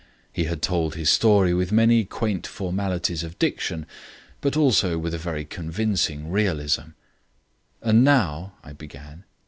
He had told his story with many quaint formalities of diction, but also with a very convincing realism. "And now " I began.